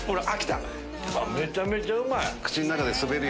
めちゃめちゃうまい！